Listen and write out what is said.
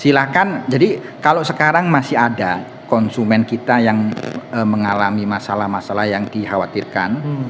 silahkan jadi kalau sekarang masih ada konsumen kita yang mengalami masalah masalah yang dikhawatirkan